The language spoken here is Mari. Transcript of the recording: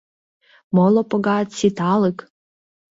Моло погат ситалык!..